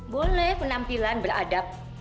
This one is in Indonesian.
boleh penampilan beradab